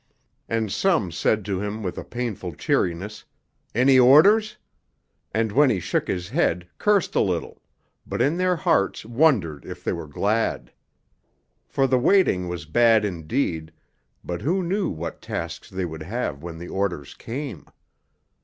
And some said to him with a painful cheeriness, 'Any orders?' and when he shook his head, cursed a little, but in their hearts wondered if they were glad. For the waiting was bad indeed, but who knew what tasks they would have when the orders came....